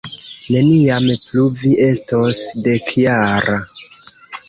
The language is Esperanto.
Neniam plu vi estos dekjara.